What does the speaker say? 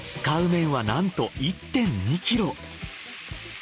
使う麺はなんと１．２ｋｇ。